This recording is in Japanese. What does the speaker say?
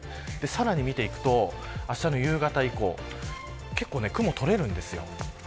さらに見ていくとあしたの夕方以降結構、雲が取れるんです。